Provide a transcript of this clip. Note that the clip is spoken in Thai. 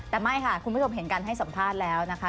แต่ไม่ค่ะคุณผู้ชมเห็นการให้สัมภาษณ์แล้วนะคะ